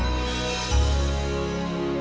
terima kasih pak